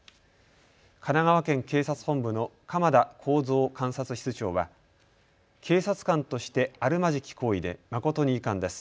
神奈川県警察本部の鎌田耕造監察室長は警察官としてあるまじき行為で誠に遺憾です。